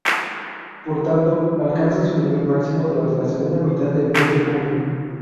Por tanto, alcanza su nivel máximo durante la segunda mitad del mes de junio.